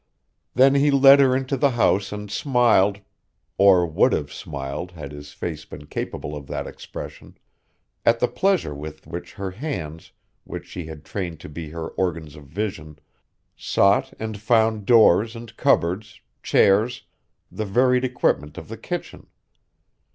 Then he led her into the house and smiled or would have smiled had his face been capable of that expression at the pleasure with which her hands, which she had trained to be her organs of vision, sought and found doors and cupboards, chairs, the varied equipment of the kitchen.